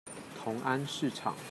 同安市場